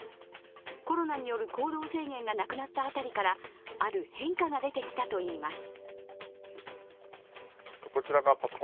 コロナによる行動制限がなくなった辺りからある変化が出てきたといいます。